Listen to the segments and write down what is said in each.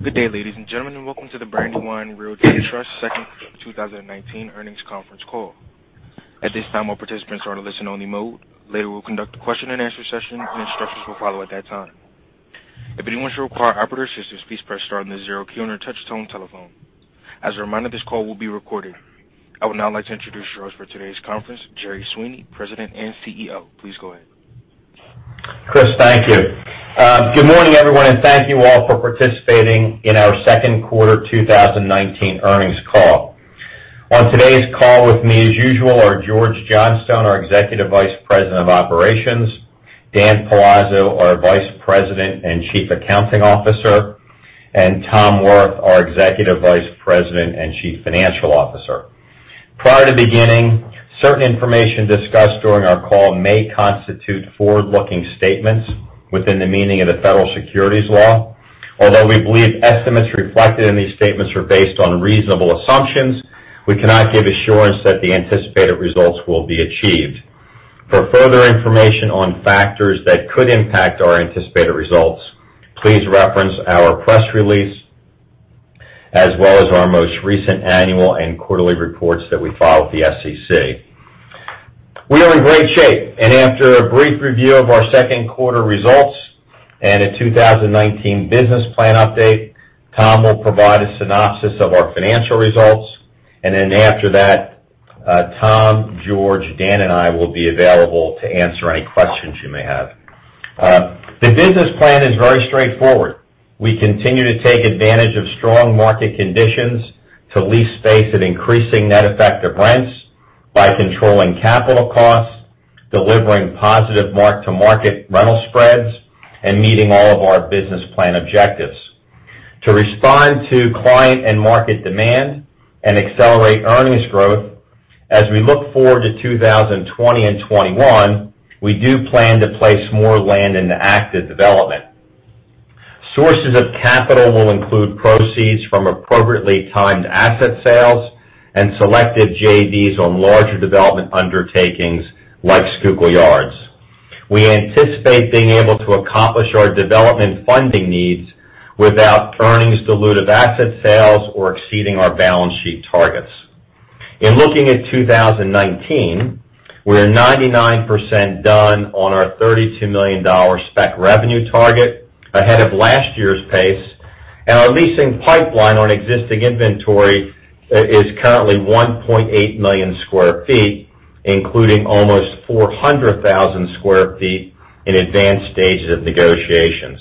Good day, ladies and gentlemen, welcome to the Brandywine Realty Trust second quarter 2019 earnings conference call. At this time, all participants are in listen only mode. Later, we'll conduct a question and answer session, instructions will follow at that time. If anyone should require operator assistance, please press star then the zero key on your touch-tone telephone. As a reminder, this call will be recorded. I would now like to introduce you all to today's conference, Jerry Sweeney, President and CEO. Please go ahead. Chris, thank you. Good morning, everyone, and thank you all for participating in our second quarter 2019 earnings call. On today's call with me, as usual, are George Johnstone, our Executive Vice President of Operations, Dan Palazzo, our Vice President and Chief Accounting Officer, and Tom Wirth, our Executive Vice President and Chief Financial Officer. Prior to beginning, certain information discussed during our call may constitute forward-looking statements within the meaning of the federal securities law. Although we believe estimates reflected in these statements are based on reasonable assumptions, we cannot give assurance that the anticipated results will be achieved. For further information on factors that could impact our anticipated results, please reference our press release as well as our most recent annual and quarterly reports that we file with the SEC. We are in great shape. After a brief review of our second quarter results and a 2019 business plan update, Tom will provide a synopsis of our financial results. After that, Tom, George, Dan, and I will be available to answer any questions you may have. The business plan is very straightforward. We continue to take advantage of strong market conditions to lease space at increasing net effective rents by controlling capital costs, delivering positive mark-to-market rental spreads, and meeting all of our business plan objectives. To respond to client and market demand and accelerate earnings growth as we look forward to 2020 and 2021, we do plan to place more land into active development. Sources of capital will include proceeds from appropriately timed asset sales and selected JVs on larger development undertakings, like Schuylkill Yards. We anticipate being able to accomplish our development funding needs without earnings dilutive asset sales or exceeding our balance sheet targets. In looking at 2019, we're 99% done on our $32 million spec revenue target ahead of last year's pace, and our leasing pipeline on existing inventory is currently 1.8 million square feet, including almost 400,000 square feet in advanced stages of negotiations.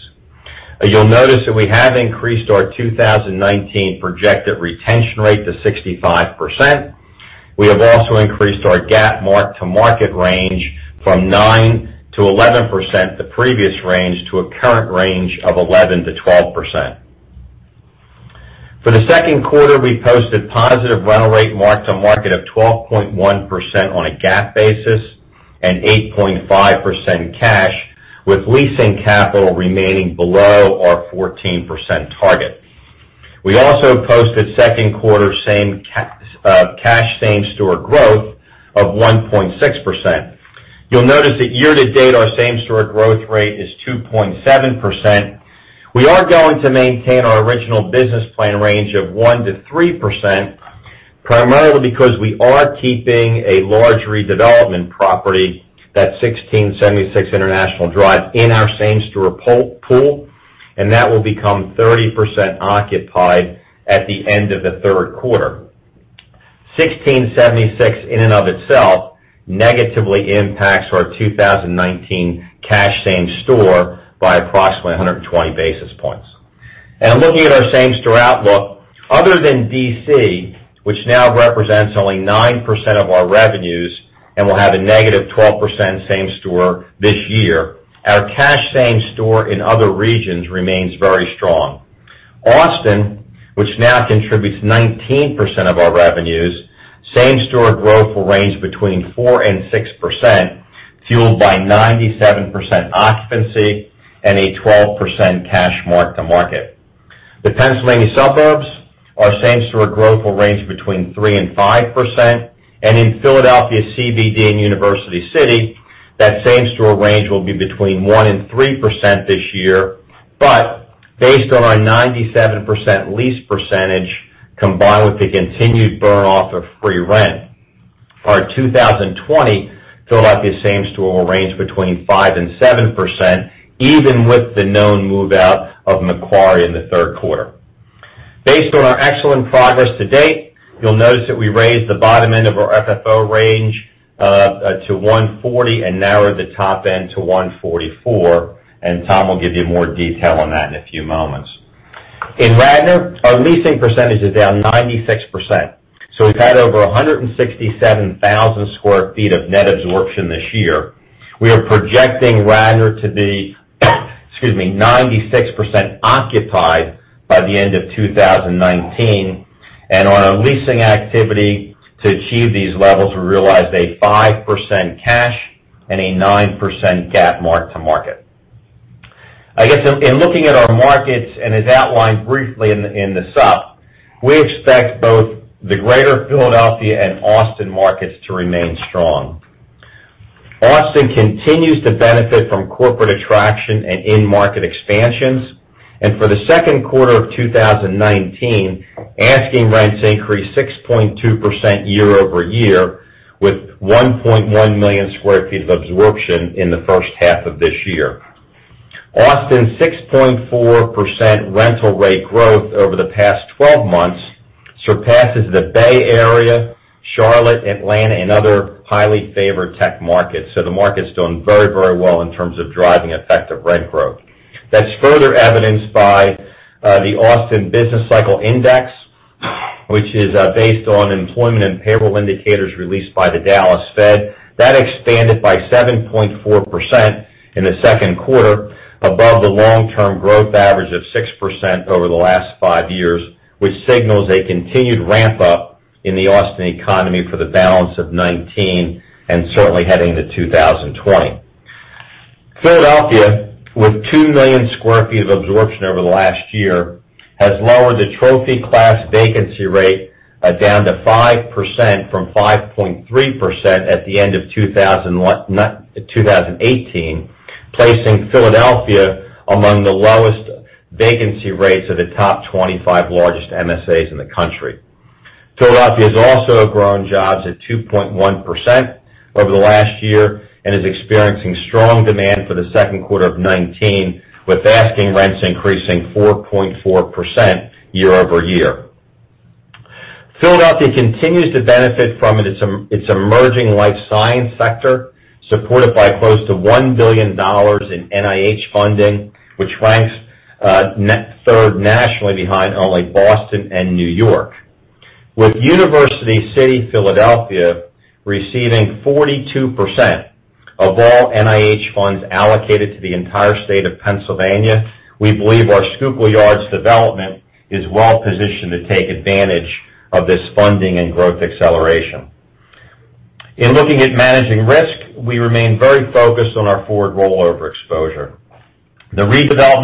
You'll notice that we have increased our 2019 projected retention rate to 65%. We have also increased our GAAP mark-to-market range from 9%-11%, the previous range, to a current range of 11%-12%. For the second quarter, we posted positive rental rate mark-to-market of 12.1% on a GAAP basis and 8.5% cash, with leasing capital remaining below our 14% target. We also posted second quarter cash same-store growth of 1.6%. You'll notice that year-to-date, our same-store growth rate is 2.7%. We are going to maintain our original business plan range of 1% to 3%, primarily because we are keeping a large redevelopment property, that's 1676 International Drive, in our same-store pool, and that will become 30% occupied at the end of the third quarter. 1676 in and of itself negatively impacts our 2019 cash same store by approximately 120 basis points. Looking at our same-store outlook, other than D.C., which now represents only 9% of our revenues and will have a negative 12% same store this year, our cash same store in other regions remains very strong. Austin, which now contributes 19% of our revenues, same-store growth will range between 4% and 6%, fueled by 97% occupancy and a 12% cash mark-to-market. The Pennsylvania suburbs, our same-store growth will range between 3% and 5%. In Philadelphia CBD and University City, that same-store range will be between 1% and 3% this year. Based on our 97% lease percentage, combined with the continued burn off of free rent, our 2020 Philadelphia same store will range between 5% and 7%, even with the known move-out of Macquarie in the third quarter. Based on our excellent progress to date, you'll notice that we raised the bottom end of our FFO range to $1.40 and narrowed the top end to $1.44. Tom will give you more detail on that in a few moments. In Radnor, our leasing percentage is down 96%. We've had over 167,000 square feet of net absorption this year. We are projecting Radnor to be 96% occupied by the end of 2019. On our leasing activity to achieve these levels, we realized a 5% cash and a 9% GAAP mark-to-market. I guess in looking at our markets, as outlined briefly in the sup, we expect both the Greater Philadelphia and Austin markets to remain strong. Austin continues to benefit from corporate attraction and in-market expansions. For the second quarter of 2019, asking rents increased 6.2% year-over-year, with 1.1 million sq ft of absorption in the first half of this year. Austin's 6.4% rental rate growth over the past 12 months surpasses the Bay Area, Charlotte, Atlanta, and other highly favored tech markets. The market's doing very well in terms of driving effective rent growth. That's further evidenced by the Austin Business Cycle Index, which is based on employment and payroll indicators released by the Dallas Fed. That expanded by 7.4% in the second quarter, above the long-term growth average of 6% over the last five years, which signals a continued ramp-up in the Austin economy for the balance of 2019, and certainly heading to 2020. Philadelphia, with 2 million square feet of absorption over the last year, has lowered the trophy class vacancy rate down to 5% from 5.3% at the end of 2018, placing Philadelphia among the lowest vacancy rates of the top 25 largest MSAs in the country. Philadelphia has also grown jobs at 2.1% over the last year and is experiencing strong demand for the second quarter of 2019, with asking rents increasing 4.4% year-over-year. Philadelphia continues to benefit from its emerging life science sector, supported by close to $1 billion in NIH funding, which ranks third nationally behind only Boston and New York. With University City, Philadelphia receiving 42% of all NIH funds allocated to the entire state of Pennsylvania, we believe our Schuylkill Yards development is well-positioned to take advantage of this funding and growth acceleration. The redevelopment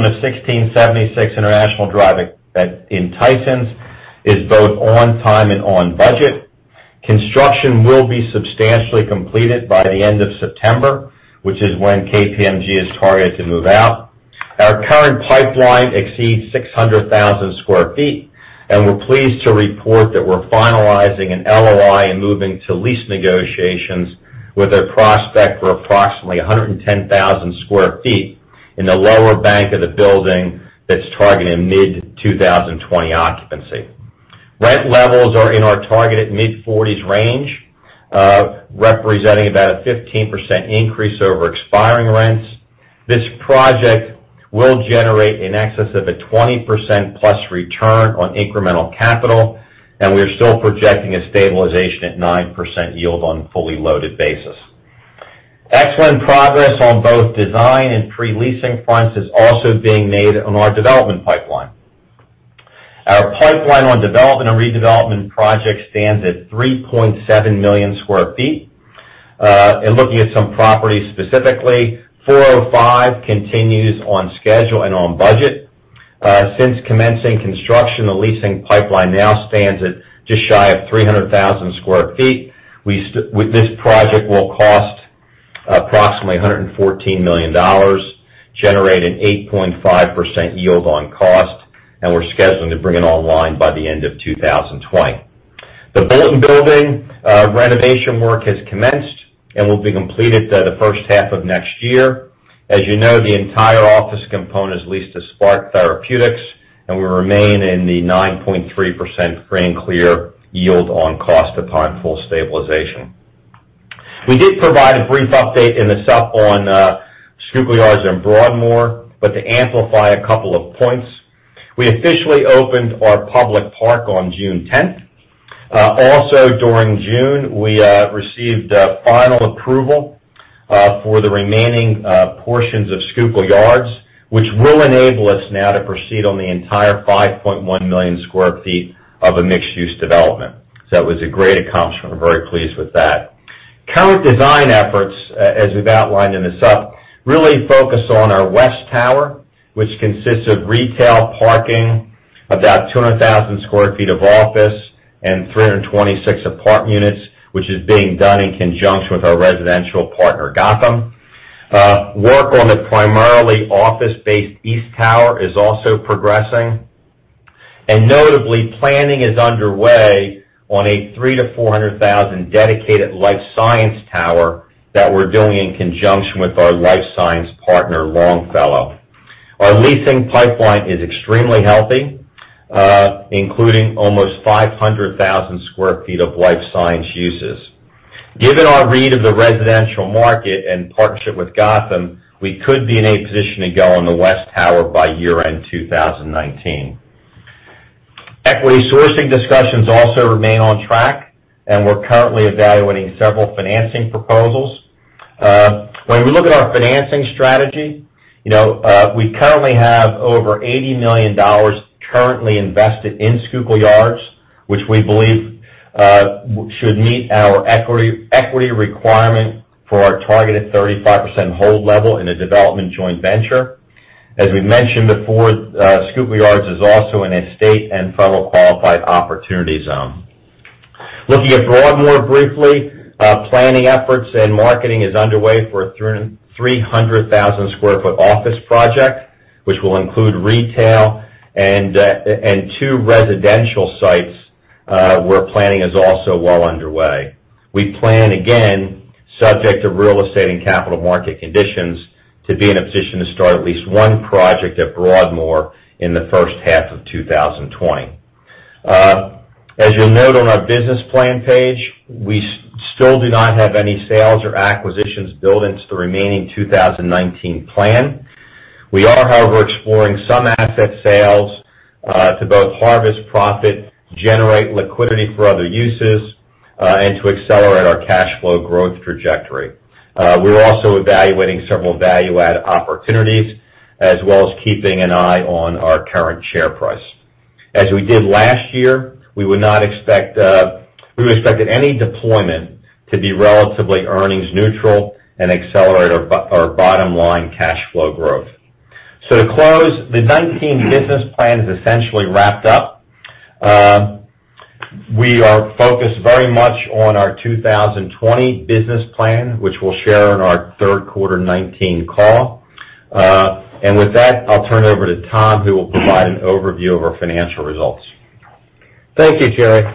of 1676 International Drive in Tysons is both on time and on budget. Construction will be substantially completed by the end of September, which is when KPMG is targeted to move out. Our current pipeline exceeds 600,000 sq ft, and we're pleased to report that we're finalizing an LOI and moving to lease negotiations with a prospect for approximately 110,000 sq ft in the lower bank of the building that's targeting mid-2020 occupancy. Rent levels are in our targeted mid-40s range, representing about a 15% increase over expiring rents. This project will generate in excess of a 20%+ return on incremental capital, and we are still projecting a stabilization at 9% yield on a fully loaded basis. Excellent progress on both design and pre-leasing fronts is also being made on our development pipeline. Our pipeline on development and redevelopment projects stands at 3.7 million sq ft. In looking at some properties specifically, 405 continues on schedule and on budget. Since commencing construction, the leasing pipeline now stands at just shy of 300,000 sq ft. This project will cost approximately $114 million, generate an 8.5% yield on cost, and we're scheduling to bring it online by the end of 2020. The Bulletin Building renovation work has commenced and will be completed by the first half of next year. As you know, the entire office component is leased to Spark Therapeutics, and we remain in the 9.3% grand clear yield on cost upon full stabilization. We did provide a brief update in the sup on Schuylkill Yards and Broadmoor, but to amplify a couple of points, we officially opened our public park on June 10th. During June, we received final approval for the remaining portions of Schuylkill Yards, which will enable us now to proceed on the entire 5.1 million sq ft of a mixed-use development. That was a great accomplishment. We're very pleased with that. Current design efforts, as we've outlined in the sup, really focus on our west tower, which consists of retail parking, about 200,000 sq ft of office, and 326 apartment units, which is being done in conjunction with our residential partner, Gotham. Work on the primarily office-based east tower is also progressing. Notably, planning is underway on a 300,000-400,000 dedicated life science tower that we're doing in conjunction with our life science partner, Longfellow. Our leasing pipeline is extremely healthy, including almost 500,000 sq ft of life science uses. Given our read of the residential market and partnership with Gotham, we could be in a position to go on the west tower by year-end 2019. Equity sourcing discussions also remain on track. We're currently evaluating several financing proposals. When we look at our financing strategy, we currently have over $80 million currently invested in Schuylkill Yards, which we believe should meet our equity requirement for our targeted 35% hold level in a development joint venture. We mentioned before, Schuylkill Yards is also in a state and federal Qualified Opportunity Zone. Looking at Broadmoor briefly, planning efforts and marketing is underway for a 300,000 square foot office project, which will include retail and 2 residential sites, where planning is also well underway. We plan, again, subject to real estate and capital market conditions, to be in a position to start at least one project at Broadmoor in the first half of 2020. As you'll note on our business plan page, we still do not have any sales or acquisitions billed into the remaining 2019 plan. We are, however, exploring some asset sales to both harvest profit, generate liquidity for other uses, and to accelerate our cash flow growth trajectory. We're also evaluating several value-add opportunities, as well as keeping an eye on our current share price. As we did last year, we would expect any deployment to be relatively earnings neutral and accelerate our bottom line cash flow growth. To close, the 2019 business plan is essentially wrapped up. We are focused very much on our 2020 business plan, which we'll share in our third quarter 2019 call. With that, I'll turn it over to Tom, who will provide an overview of our financial results. Thank you, Jerry.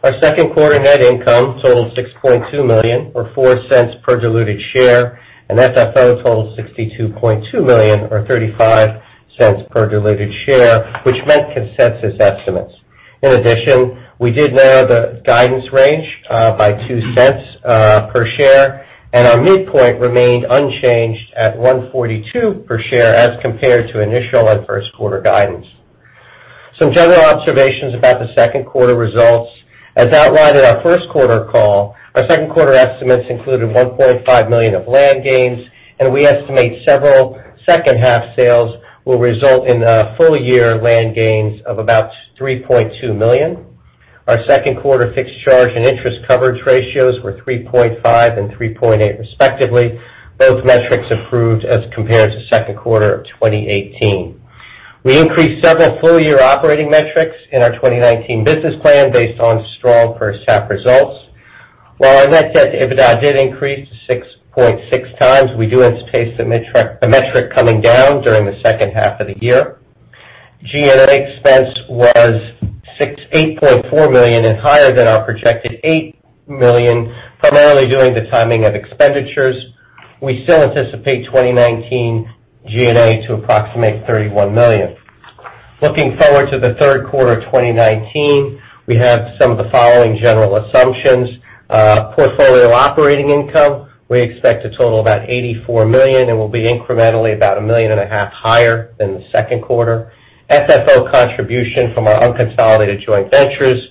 Our second quarter net income totaled $6.2 million, or $0.04 per diluted share, and FFO totaled $62.2 million, or $0.35 per diluted share, which met consensus estimates. We did narrow the guidance range by $0.02 per share, and our midpoint remained unchanged at $1.42 per share as compared to initial and first quarter guidance. Some general observations about the second quarter results. As outlined in our first quarter call, our second quarter estimates included $1.5 million of land gains, and we estimate several second half sales will result in full-year land gains of about $3.2 million. Our second quarter fixed charge and interest coverage ratios were 3.5 and 3.8, respectively. Both metrics improved as compared to second quarter of 2018. We increased several full-year operating metrics in our 2019 business plan based on strong first half results. While our net debt to EBITDA did increase to 6.6 times, we do anticipate the metric coming down during the second half of the year. G&A expense was $8.4 million and higher than our projected $8 million, primarily due to the timing of expenditures. We still anticipate 2019 G&A to approximate $31 million. Looking forward to the third quarter of 2019, we have some of the following general assumptions. Portfolio operating income, we expect to total about $84 million and will be incrementally about a million and a half higher than the second quarter. FFO contribution from our unconsolidated joint ventures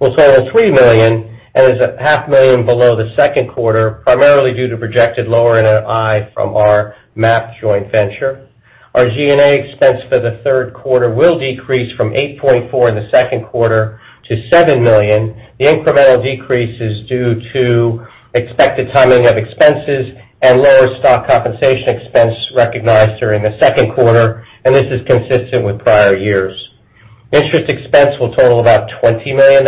will total $3 million and is a half million below the second quarter, primarily due to projected lower NOI from our MAP joint venture. Our G&A expense for the third quarter will decrease from $8.4 million in the second quarter to $7 million. The incremental decrease is due to expected timing of expenses and lower stock compensation expense recognized during the second quarter, and this is consistent with prior years. Interest expense will total about $20 million,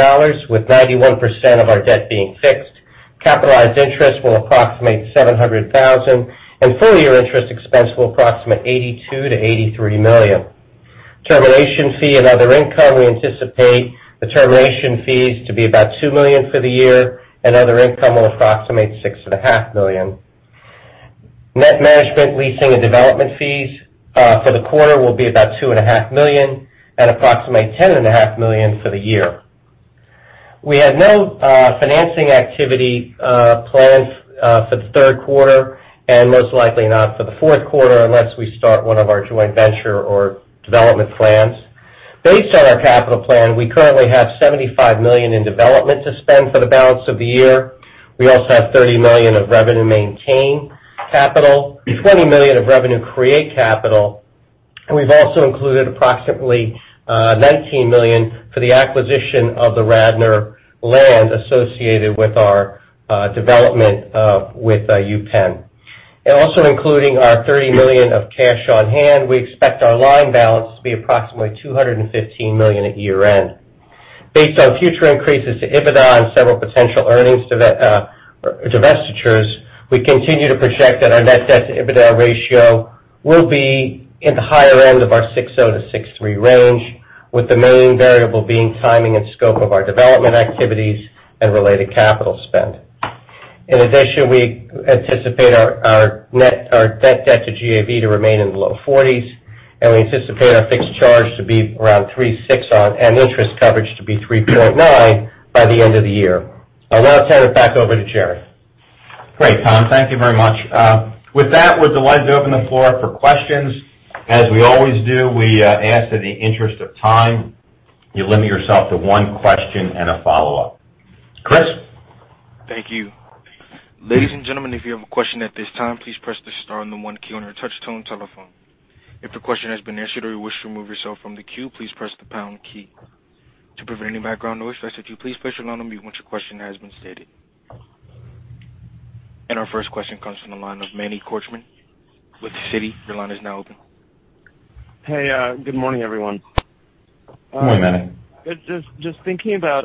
with 91% of our debt being fixed. Capitalized interest will approximate $700,000, and full-year interest expense will approximate $82 million-$83 million. Termination fee and other income, we anticipate the termination fees to be about $2 million for the year, and other income will approximate $6.5 million. Net management leasing and development fees for the quarter will be about $2.5 million and approximate $10.5 million for the year. We have no financing activity plans for the third quarter and most likely not for the fourth quarter, unless we start one of our joint venture or development plans. Based on our capital plan, we currently have $75 million in development to spend for the balance of the year. We also have $30 million of revenue maintain capital, $20 million of revenue create capital, we've also included approximately $19 million for the acquisition of the Radnor land associated with our development with UPenn. Also including our $30 million of cash on hand, we expect our line balance to be approximately $215 million at year-end. Based on future increases to EBITDA and several potential earnings divestitures, we continue to project that our net debt to EBITDA ratio will be in the higher end of our 6.0-6.3 range, with the main variable being timing and scope of our development activities and related capital spend. In addition, we anticipate our net debt to GAV to remain in the low 40s, and we anticipate our fixed charge to be around 3.6, and interest coverage to be 3.9 by the end of the year. I'll now turn it back over to Jerry. Great, Tom. Thank you very much. With that, we're delighted to open the floor up for questions. As we always do, we ask that in the interest of time, you limit yourself to one question and a follow-up. Chris? Thank you. Ladies and gentlemen, if you have a question at this time, please press the star and the one key on your touch tone telephone. If your question has been answered or you wish to remove yourself from the queue, please press the pound key. To prevent any background noise, we ask that you please place your line on mute once your question has been stated. Our first question comes from the line of Manny Korchman with Citi. Your line is now open. Hey, good morning, everyone. Good morning, Manny. Just thinking about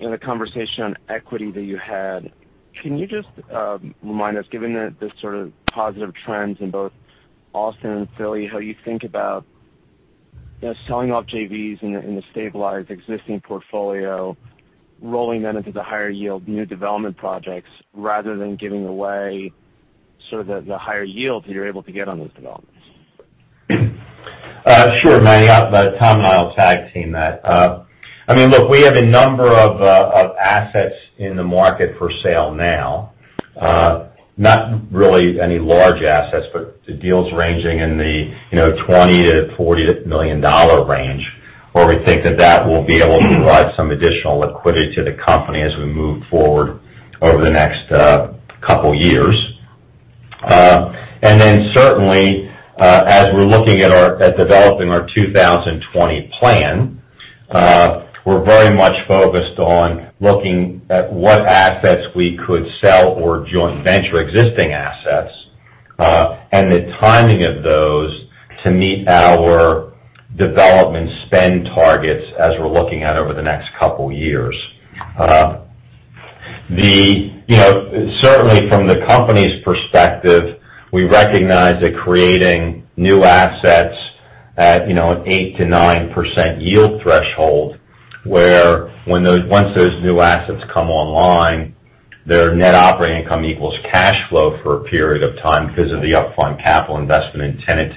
in the conversation on equity that you had, can you just remind us, given the sort of positive trends in both Austin and Philly, how you think about selling off JVs in the stabilized existing portfolio, rolling them into the higher yield new development projects, rather than giving away sort of the higher yields that you're able to get on those developments? Sure, Manny. Tom and I will tag team that. Look, we have a number of assets in the market for sale now. Not really any large assets, but deals ranging in the $20 million-$40 million range, where we think that that will be able to provide some additional liquidity to the company as we move forward over the next couple years. Certainly, as we're looking at developing our 2020 plan, we're very much focused on looking at what assets we could sell or joint venture existing assets, and the timing of those to meet our development spend targets as we're looking at over the next couple years. Certainly, from the company's perspective, we recognize that creating new assets at an 8% to 9% yield threshold, where once those new assets come online, their net operating income equals cash flow for a period of time because of the upfront capital investment in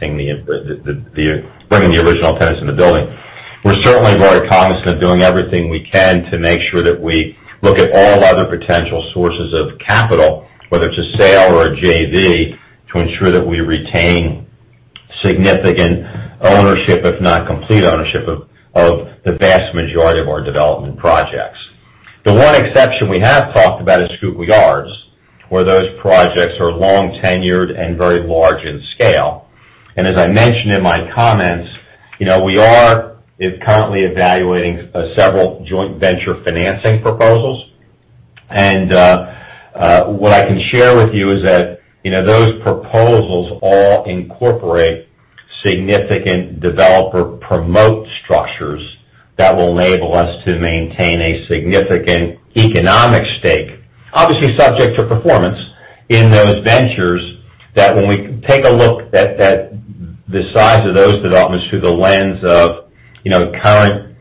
bringing the original tenants in the building. We're certainly very cognizant of doing everything we can to make sure that we look at all other potential sources of capital, whether it's a sale or a JV, to ensure that we retain significant ownership, if not complete ownership, of the vast majority of our development projects. The one exception we have talked about is Schuylkill Yards, where those projects are long-tenured and very large in scale. As I mentioned in my comments, we are currently evaluating several joint venture financing proposals. What I can share with you is that those proposals all incorporate significant developer promote structures that will enable us to maintain a significant economic stake, obviously subject to performance in those ventures, that when we take a look at the size of those developments through the lens of current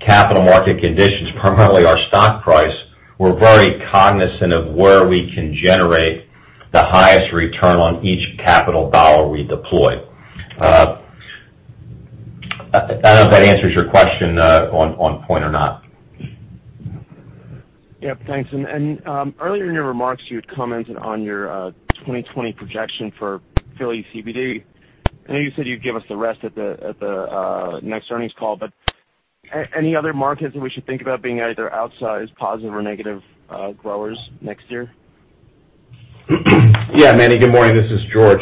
capital market conditions, primarily our stock price, we're very cognizant of where we can generate the highest return on each capital dollar we deploy. I don't know if that answers your question on point or not. Yep, thanks. Earlier in your remarks, you had commented on your 2020 projection for Philly CBD. I know you said you'd give us the rest at the next earnings call, any other markets that we should think about being either outsized positive or negative growers next year? Yeah, Manny, good morning, this is George.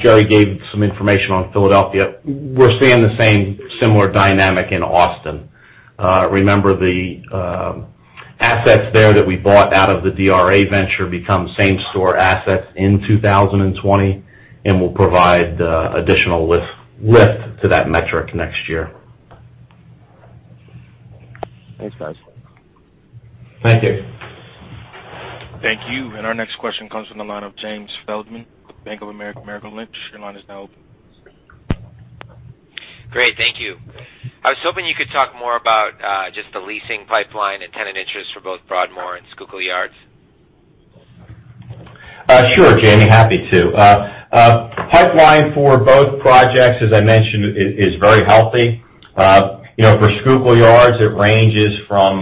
Jerry gave some information on Philadelphia. We're seeing the same similar dynamic in Austin. Remember the assets there that we bought out of the DRA venture become same-store assets in 2020 and will provide additional lift to that metric next year. Thanks, guys. Thank you. Thank you. Our next question comes from the line of James Feldman, Bank of America Merrill Lynch. Your line is now open. Great. Thank you. I was hoping you could talk more about just the leasing pipeline and tenant interest for both Broadmoor and Schuylkill Yards. Sure, Jamie. Happy to. Pipeline for both projects, as I mentioned, is very healthy. For Schuylkill Yards, it ranges from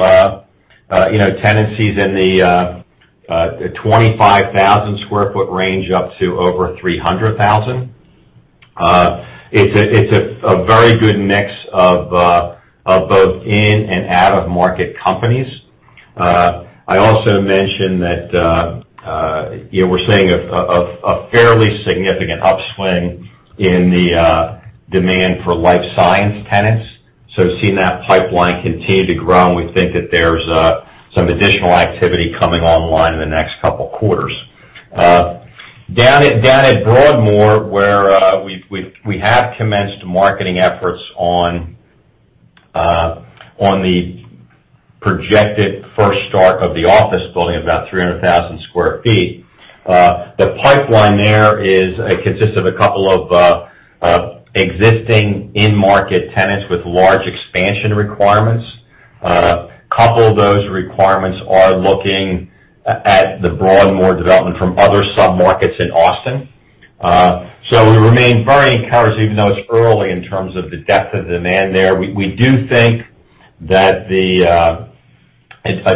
tenancies in the 25,000 square foot range up to over 300,000. It's a very good mix of both in and out-of-market companies. I also mentioned that we're seeing a fairly significant upswing in the demand for life science tenants. Seeing that pipeline continue to grow, and we think that there's some additional activity coming online in the next couple quarters. Down at Broadmoor, where we have commenced marketing efforts on the projected first start of the office building of about 300,000 square feet. The pipeline there consists of a couple of existing in-market tenants with large expansion requirements. A couple of those requirements are looking at the Broadmoor development from other submarkets in Austin. We remain very encouraged, even though it's early in terms of the depth of demand there. We do think that a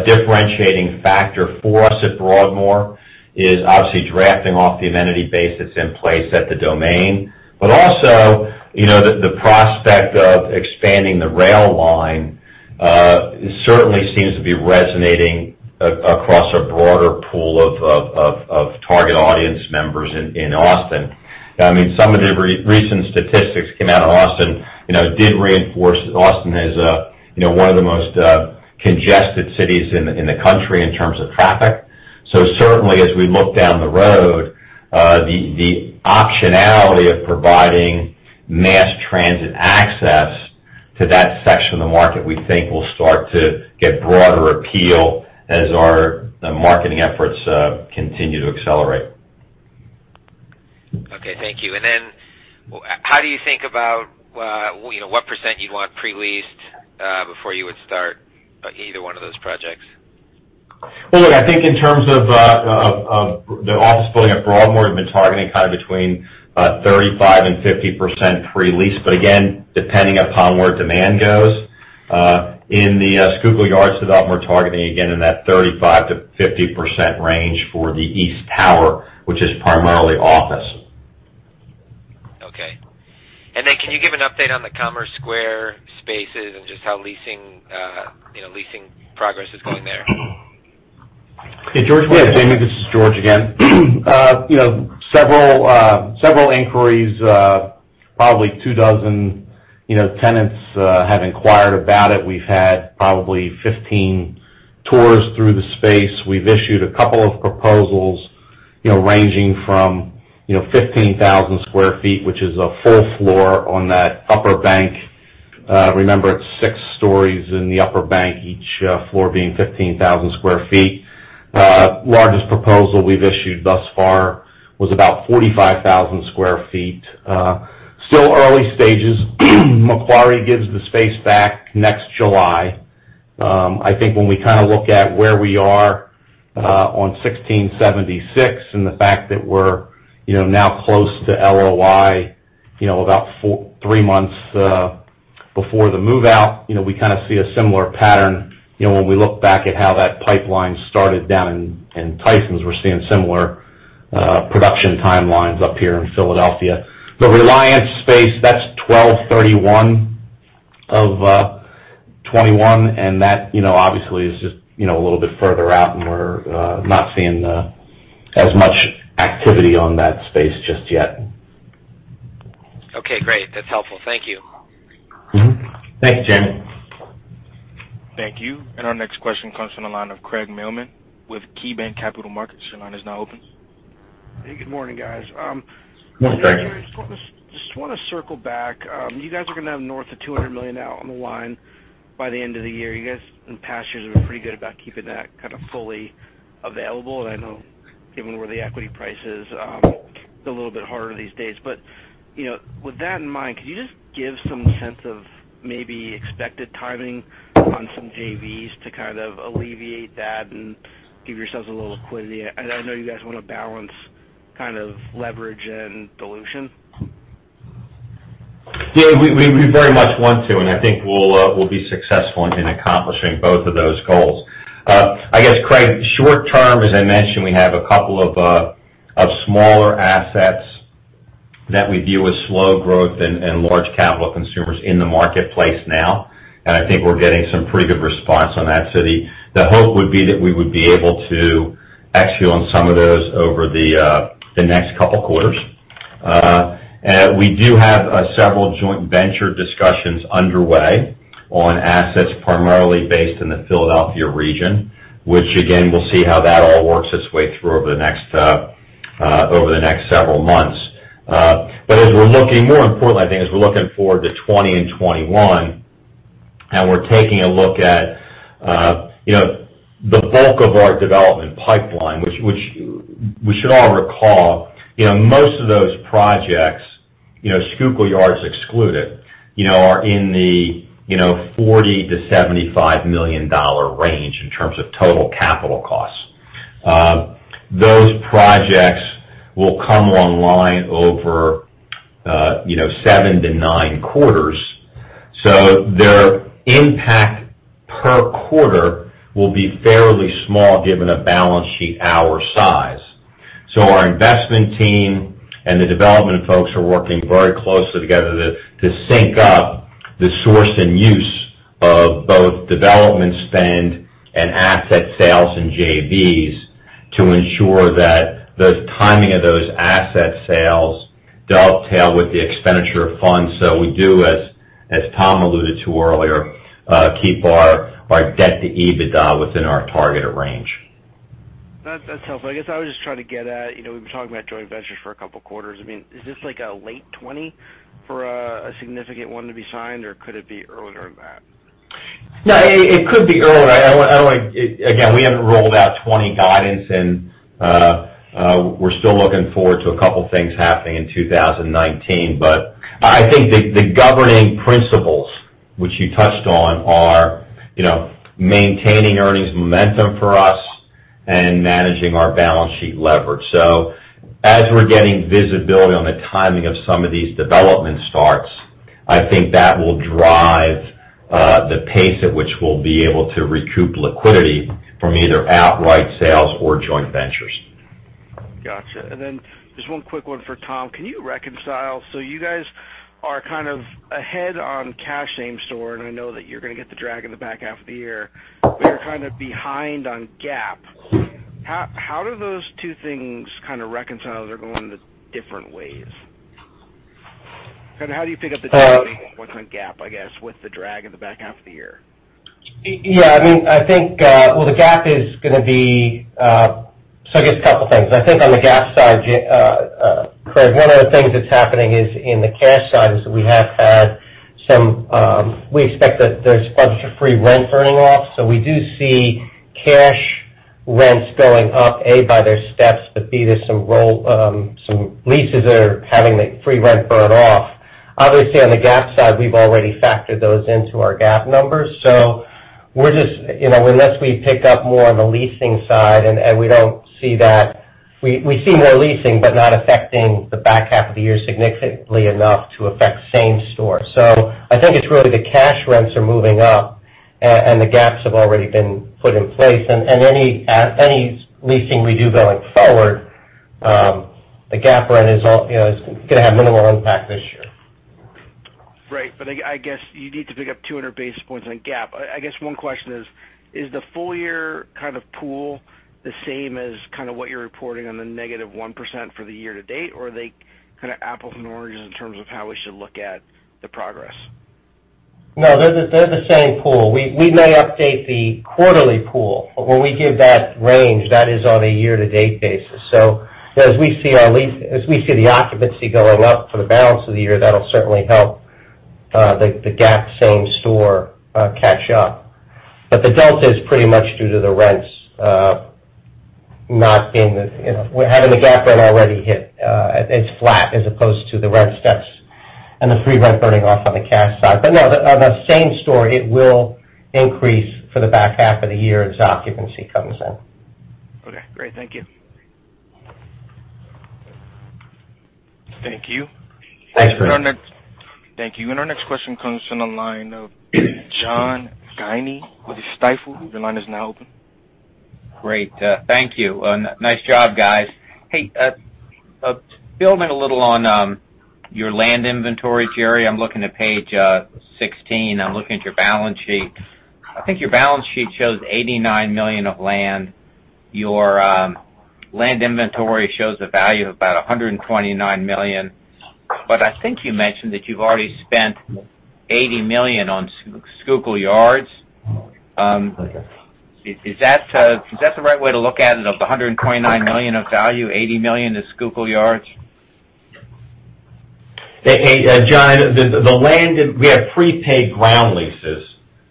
differentiating factor for us at Broadmoor is obviously drafting off the amenity base that's in place at The Domain. Also, the prospect of expanding the rail line certainly seems to be resonating across a broader pool of target audience members in Austin. Some of the recent statistics came out on Austin, did reinforce that Austin is one of the most congested cities in the country in terms of traffic. Certainly, as we look down the road, the optionality of providing mass transit access to that section of the market, we think will start to get broader appeal as our marketing efforts continue to accelerate. Okay. Thank you. How do you think about what % you'd want pre-leased before you would start either one of those projects? Well, look, I think in terms of the office building at Broadmoor, we've been targeting between 35% and 50% pre-lease. Again, depending upon where demand goes. In the Schuylkill Yards development, we're targeting again in that 35%-50% range for the east tower, which is primarily office. Okay. Can you give an update on the Commerce Square spaces and just how leasing progress is going there? Hey, George. Yes, Jamie, this is George again. Several inquiries, probably two dozen tenants have inquired about it. We've had probably 15 tours through the space. We've issued a couple of proposals ranging from 15,000 sq ft, which is a full floor on that upper bank. Remember, it's six stories in the upper bank, each floor being 15,000 sq ft. Largest proposal we've issued thus far was about 45,000 sq ft. Still early stages. Macquarie gives the space back next July. I think when we look at where we are on 1676 and the fact that we're now close to LOI, about three months before the move-out. We kind of see a similar pattern. When we look back at how that pipeline started down in Tysons, we're seeing similar production timelines up here in Philadelphia. The Reliance space, that's 12/31 of 2021, and that obviously is just a little bit further out, and we're not seeing as much activity on that space just yet. Okay, great. That's helpful. Thank you. Thanks, Jamie. Thank you. Our next question comes from the line of Craig Mailman with KeyBanc Capital Markets. Your line is now open. Hey, good morning, guys. Morning, Craig. Just want to circle back. You guys are going to have north of $200 million out on the line by the end of the year. You guys, in past years, have been pretty good about keeping that kind of fully available, and I know given where the equity price is, it's a little bit harder these days. But, with that in mind, could you just give some sense of maybe expected timing on some JVs to kind of alleviate that and give yourselves a little liquidity? And I know you guys want to balance leverage and dilution. Yeah, we very much want to, and I think we'll be successful in accomplishing both of those goals. I guess, Craig, short-term, as I mentioned, we have a couple of smaller assets that we view as slow growth and large capital consumers in the marketplace now, and I think we're getting some pretty good response on that. The hope would be that we would be able to execute on some of those over the next couple of quarters. We do have several joint venture discussions underway on assets primarily based in the Philadelphia region, which again, we'll see how that all works its way through over the next several months. More importantly, I think, as we're looking forward to 2020 and 2021, and we're taking a look at the bulk of our development pipeline, which we should all recall, most of those projects, Schuylkill Yards excluded, are in the $40 million-$75 million range in terms of total capital costs. Those projects will come online over 7-9 quarters. Their impact per quarter will be fairly small given a balance sheet our size. Our investment team and the development folks are working very closely together to sync up the source and use of both development spend and asset sales and JVs to ensure that the timing of those asset sales dovetail with the expenditure of funds. We do, as Tom alluded to earlier, keep our debt to EBITDA within our targeted range. That's helpful. I guess I was just trying to get at, we've been talking about joint ventures for a couple of quarters. Is this like a late 2020 for a significant one to be signed, or could it be earlier than that? No, it could be earlier. Again, we haven't rolled out 2020 guidance, and we're still looking forward to a couple of things happening in 2019. I think the governing principles, which you touched on, are maintaining earnings momentum for us and managing our balance sheet leverage. As we're getting visibility on the timing of some of these development starts, I think that will drive the pace at which we'll be able to recoup liquidity from either outright sales or joint ventures. Got you. Then just one quick one for Tom. Can you reconcile? You guys are kind of ahead on cash FFO, and I know that you're going to get the drag in the back half of the year, but you're kind of behind on GAAP. How do those two things kind of reconcile? They're going the different ways. How do you pick up the 200 basis points on GAAP, I guess, with the drag in the back half of the year? Yeah. Well, the GAAP is going to be. I guess a couple things. I think on the GAAP side, Craig, one of the things that's happening is in the cash side is that we have had some. We expect that there's bunch of free rent burning off. We do see cash rents going up, A, by their steps, but B, there's some leases that are having the free rent burn off. Obviously, on the GAAP side, we've already factored those into our GAAP numbers. Unless we pick up more on the leasing side, and we don't see that. We see more leasing, but not affecting the back half of the year significantly enough to affect same store. I think it's really the cash rents are moving up, and the GAAP have already been put in place. Any leasing we do going forward, the GAAP rent is going to have minimal impact this year. Right. I guess you need to pick up 200 basis points on GAAP. I guess one question is: Is the full year kind of pool the same as what you're reporting on the negative 1% for the year-to-date? Are they kind of apples and oranges in terms of how we should look at the progress? No, they're the same pool. We may update the quarterly pool, but when we give that range, that is on a year-to-date basis. As we see the occupancy going up for the balance of the year, that'll certainly help the GAAP same-store catch up. The delta is pretty much due to the rents. We're having the GAAP rent already hit. It's flat as opposed to the rent steps and the free rent burning off on the cash side. No, on the same-store, it will increase for the back half of the year as occupancy comes in. Okay, great. Thank you. Thank you. Thanks. Thank you. Our next question comes from the line of John Guinee with Stifel. Your line is now open. Great. Thank you. Nice job, guys. Hey, building a little on your land inventory, Jerry. I'm looking at page 16. I'm looking at your balance sheet. I think your balance sheet shows $89 million of land. Your land inventory shows a value of about $129 million. I think you mentioned that you've already spent $80 million on Schuylkill Yards. Okay. Is that the right way to look at it? Of the $129 million of value, $80 million is Schuylkill Yards? Hey, John, the land, we have prepaid ground leases,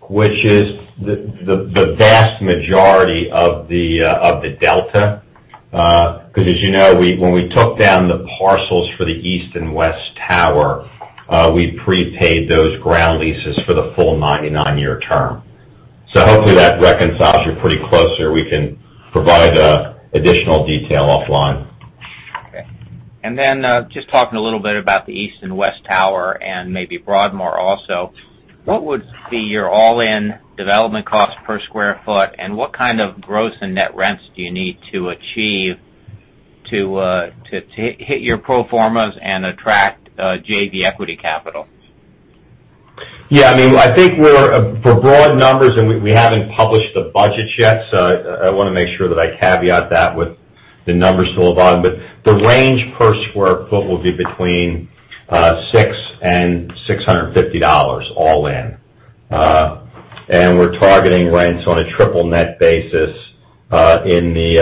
which is the vast majority of the delta. As you know, when we took down the parcels for the east and west tower, we prepaid those ground leases for the full 99-year term. Hopefully that reconciles you pretty close here. We can provide additional detail offline. Okay. Just talking a little bit about the east and west tower and maybe Broadmoor also, what would be your all-in development cost per square foot? What kind of gross and net rents do you need to achieve to hit your pro formas and attract JV equity capital? Yeah. I think for broad numbers, and we haven't published the budget yet, so I want to make sure that I caveat that with the numbers toward the bottom. The range per square foot will be between $600-$650 all in. We're targeting rents on a triple net basis in the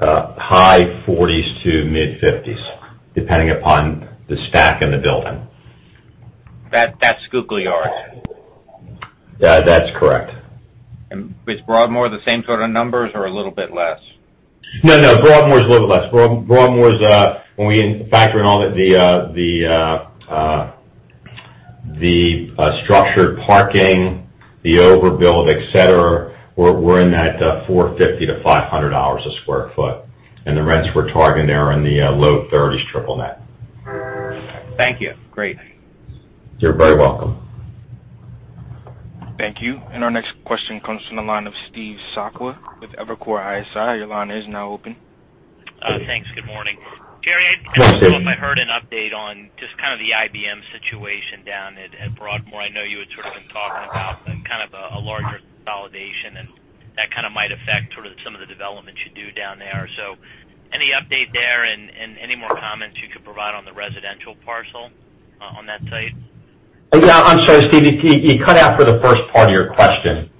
high 40s to mid-50s, depending upon the stack in the building. That's Schuylkill Yards? That's correct. Is Broadmoor the same sort of numbers or a little bit less? No, Broadmoor is a little bit less. Broadmoor is, when we factor in all the structured parking, the overbuild, et cetera, we're in that $450-$500 a square foot. The rents we're targeting there are in the low thirties triple net. Thank you. Great. You're very welcome. Thank you. Our next question comes from the line of Steve Sakwa with Evercore ISI. Your line is now open. Thanks. Good morning. Jerry- Hey, Steve. I don't know if I heard an update on just kind of the IBM situation down at Broadmoor. I know you had sort of been talking about kind of a larger consolidation, and that kind of might affect sort of some of the developments you do down there. Any update there and any more comments you could provide on the residential parcel on that site? Yeah. I'm sorry, Steve. You cut out for the first part of your question.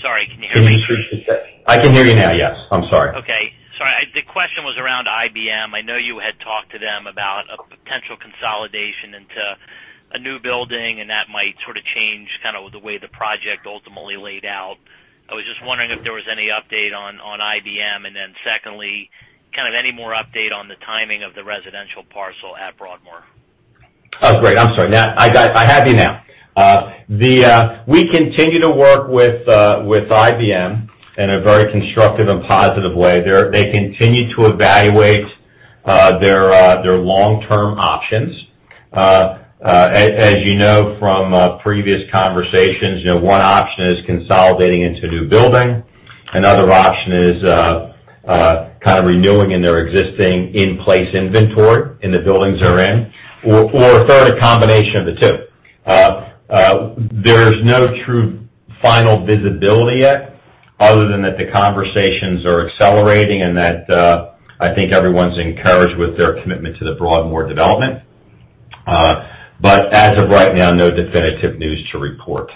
Sorry, can you hear me? I can hear you now, yes. I'm sorry. Okay. Sorry, the question was around IBM. I know you had talked to them about a potential consolidation into a new building, and that might sort of change kind of the way the project ultimately laid out. I was just wondering if there was any update on IBM, and then secondly, kind of any more update on the timing of the residential parcel at Broadmoor. Oh, great. I'm sorry. I have you now. We continue to work with IBM in a very constructive and positive way. They continue to evaluate their long-term options. As you know from previous conversations, one option is consolidating into a new building. Another option is kind of renewing in their existing in-place inventory in the buildings they're in, or a third, a combination of the two. There's no true final visibility yet. Other than that, the conversations are accelerating and that I think everyone's encouraged with their commitment to the Broadmoor development. As of right now, no definitive news to report.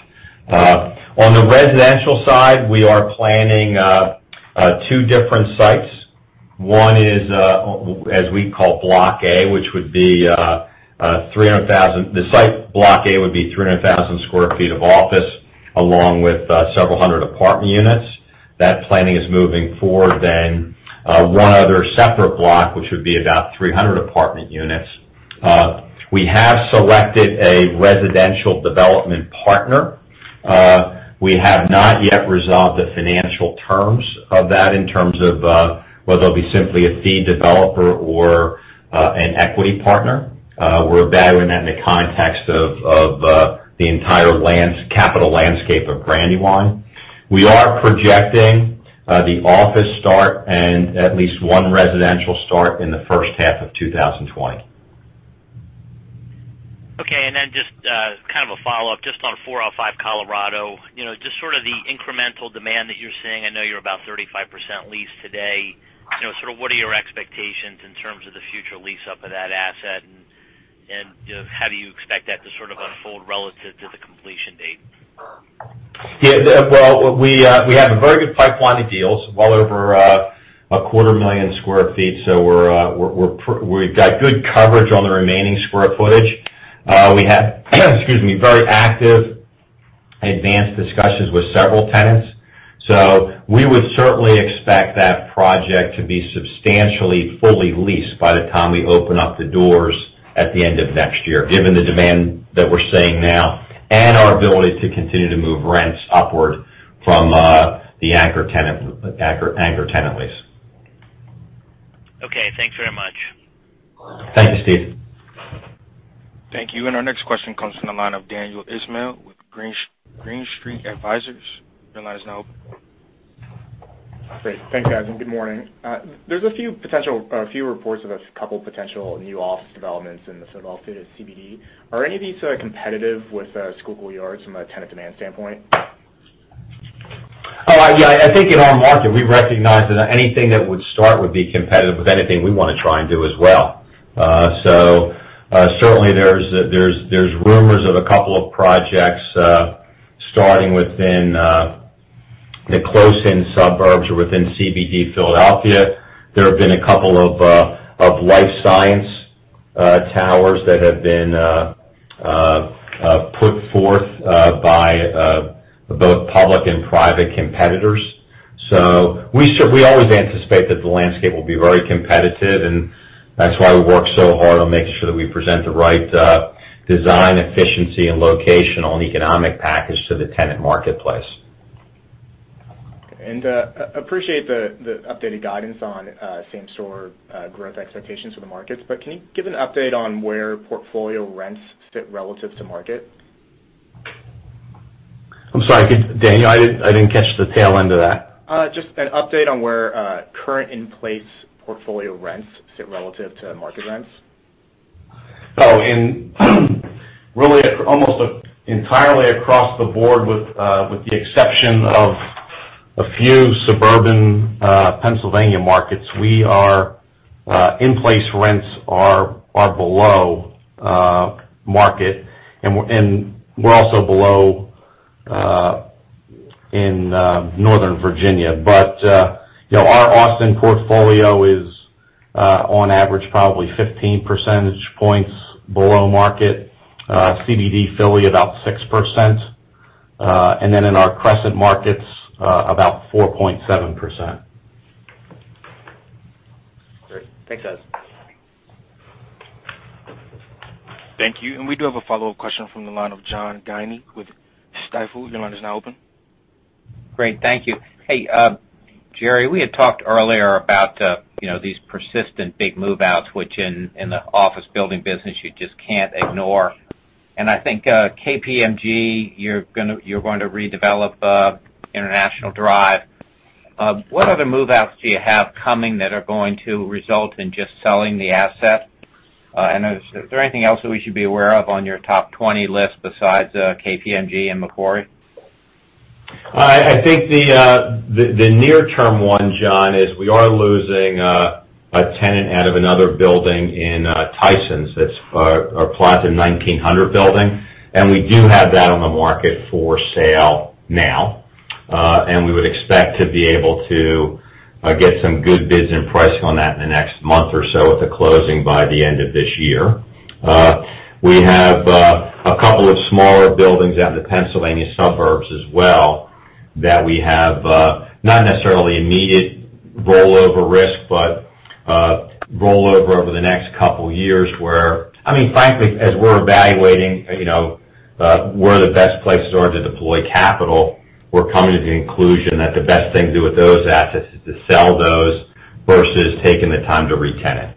On the residential side, we are planning two different sites. One is, as we call Block A, which would be 300,000. The site Block A would be 300,000 sq ft of office, along with several hundred apartment units. That planning is moving forward. One other separate block, which would be about 300 apartment units. We have selected a residential development partner. We have not yet resolved the financial terms of that, in terms of whether it'll be simply a fee developer or an equity partner. We're valuing that in the context of the entire capital landscape of Brandywine. We are projecting the office start and at least one residential start in the first half of 2020. Okay. Just a follow-up just on 405 Colorado. Just sort of the incremental demand that you're seeing, I know you're about 35% leased today. Sort of what are your expectations in terms of the future lease-up of that asset, and how do you expect that to sort of unfold relative to the completion date? Well, we have a very good pipeline of deals, well over a quarter million square feet. We have, excuse me, very active advanced discussions with several tenants. We would certainly expect that project to be substantially fully leased by the time we open up the doors at the end of next year, given the demand that we are seeing now and our ability to continue to move rents upward from the anchor tenant lease. Okay. Thanks very much. Thank you, Steve. Thank you. Our next question comes from the line of Daniel Ismail with Green Street Advisors. Your line is now open. Great. Thanks, guys, and good morning. There's a few reports of a couple potential new office developments in the Philadelphia CBD. Are any of these sort of competitive with Schuylkill Yards from a tenant demand standpoint? Yeah. I think in our market, we recognize that anything that would start would be competitive with anything we want to try and do as well. Certainly there's rumors of a couple of projects starting within the close-in suburbs or within CBD Philadelphia. There have been a couple of life science towers that have been put forth by both public and private competitors. We always anticipate that the landscape will be very competitive, and that's why we work so hard on making sure that we present the right design, efficiency, and location on economic package to the tenant marketplace. Appreciate the updated guidance on same store growth expectations for the markets. Can you give an update on where portfolio rents fit relative to market? I'm sorry, Daniel, I didn't catch the tail end of that. Just an update on where current in-place portfolio rents sit relative to market rents. Oh, in really almost entirely across the board with the exception of a few suburban Pennsylvania markets, in-place rents are below market, and we're also below in Northern Virginia. Our Austin portfolio is, on average, probably 15 percentage points below market. CBD Philly, about 6%. Then in our Crescent markets, about 4.7%. Great. Thanks, guys. Thank you. We do have a follow-up question from the line of John Guinee with Stifel. Your line is now open. Great. Thank you. Hey, Jerry, we had talked earlier about these persistent big move-outs, which in the office building business, you just can't ignore. I think, KPMG, you're going to redevelop International Drive. What other move-outs do you have coming that are going to result in just selling the asset? Is there anything else that we should be aware of on your top 20 list besides KPMG and Macquarie? I think the near term one, John, is we are losing a tenant out of another building in Tysons. That's our Plaza 1900 building. We do have that on the market for sale now. We would expect to be able to get some good bids and pricing on that in the next month or so with a closing by the end of this year. We have a couple of smaller buildings out in the Pennsylvania suburbs as well that we have not necessarily immediate rollover risk, but rollover over the next couple of years where, frankly, as we're evaluating where the best places are to deploy capital, we're coming to the conclusion that the best thing to do with those assets is to sell those versus taking the time to re-tenant.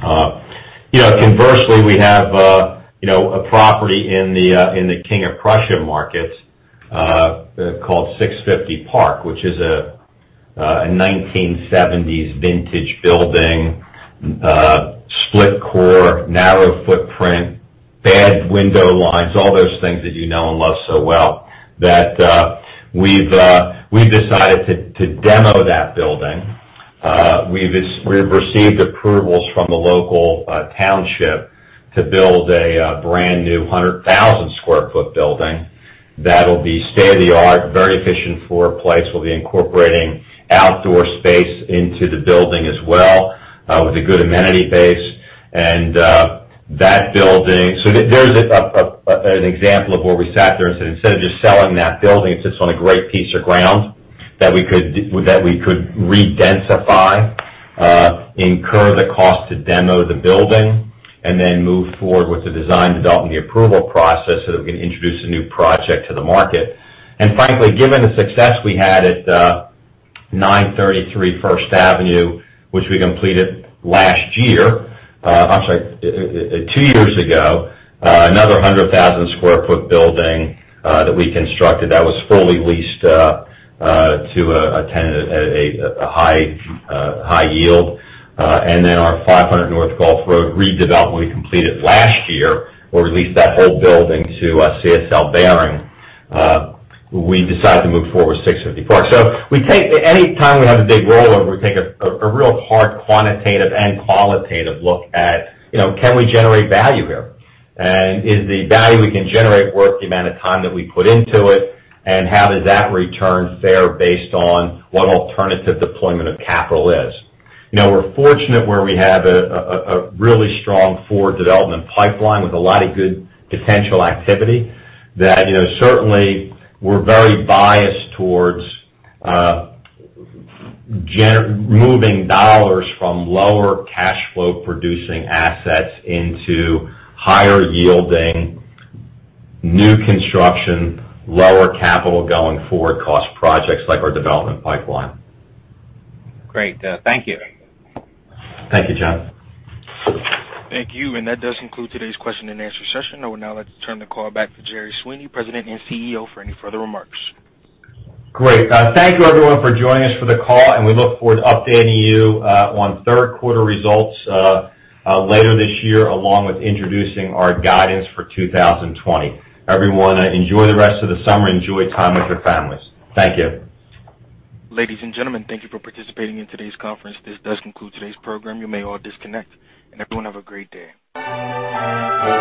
Conversely, we have a property in the King of Prussia market called 650 Park, which is a 1970s vintage building, split core, narrow footprint, bad window lines, all those things that you know and love so well, that we've decided to demo that building. We've received approvals from the local township to build a brand new 100,000 sq ft building that'll be state-of-the-art, very efficient floor plate. We'll be incorporating outdoor space into the building as well, with a good amenity base. There's an example of where we sat there and said, instead of just selling that building, it sits on a great piece of ground that we could re-densify, incur the cost to demo the building, and then move forward with the design, development, the approval process, so that we can introduce a new project to the market. Frankly, given the success we had at 933 First Avenue, which we completed last year, I'm sorry, two years ago, another 100,000 sq ft building that we constructed that was fully leased to a tenant at a high yield. Then our 500 North Gulph Road redevelop we completed last year, where we leased that whole building to CSL Behring. We decided to move forward with 654. Any time we have a big rollover, we take a real hard quantitative and qualitative look at can we generate value here? Is the value we can generate worth the amount of time that we put into it, and how does that return fare based on what alternative deployment of capital is? We're fortunate where we have a really strong forward development pipeline with a lot of good potential activity that certainly we're very biased towards moving dollars from lower cash flow producing assets into higher yielding, new construction, lower capital going forward cost projects like our development pipeline. Great. Thank you. Thank you, John. Thank you. That does conclude today's question and answer session. I would now like to turn the call back to Jerry Sweeney, President and CEO, for any further remarks. Great. Thank you everyone for joining us for the call, and we look forward to updating you on third quarter results later this year, along with introducing our guidance for 2020. Everyone, enjoy the rest of the summer, enjoy time with your families. Thank you. Ladies and gentlemen, thank you for participating in today's conference. This does conclude today's program. You may all disconnect. Everyone, have a great day.